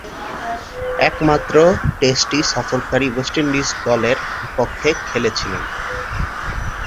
একমাত্র টেস্টটি সফরকারী West Indies দলের বিপক্ষে খেলেছিলেন।